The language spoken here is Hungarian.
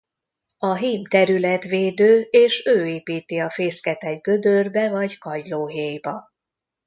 A hím területvédő és ő építi a fészket egy gödörbe vagy kagylóhéjba.